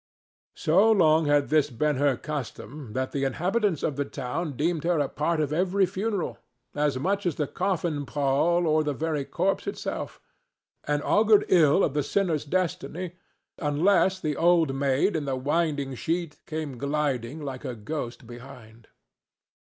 So long had this been her custom that the inhabitants of the town deemed her a part of every funeral, as much as the coffin pall or the very corpse itself, and augured ill of the sinner's destiny unless the Old Maid in the Winding Sheet came gliding like a ghost behind.